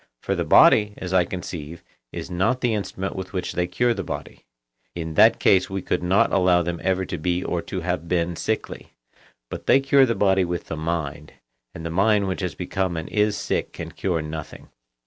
For the body, as I conceive, is not the instrument with which they cure the body; in that case we could not allow them ever to be or to have been sickly; but they cure the body with the mind, and the mind which has become and is sick can cure nothing.